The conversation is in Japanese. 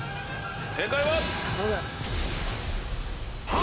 正解は。